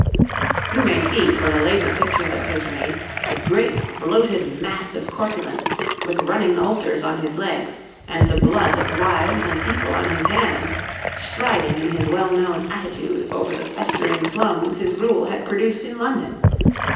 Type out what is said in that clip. You may see for the later pictures of his reign a great bloated mass of corpulence, with running ulcers on his legs and the blood of wives and people on his hands, striding in his well known attitude over the festering slums his rule had produced in London.